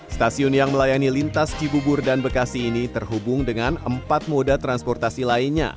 stasiun yang melayani lintas cibubur dan bekasi ini terhubung dengan empat moda transportasi lainnya